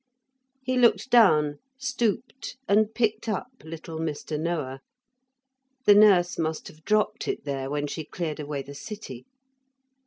He looked down, stooped, and picked up little Mr. Noah. The nurse must have dropt it there when she cleared away the city.